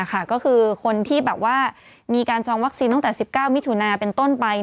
ก็คือคนที่แบบว่ามีการจองวัคซีนตั้งแต่๑๙มิถุนาเป็นต้นไป